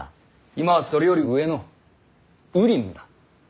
今はそれより上の羽林だ。